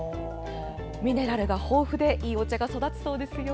ミネラルが豊富でいいお茶が育つそうですよ。